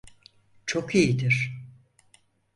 Çok iyidir.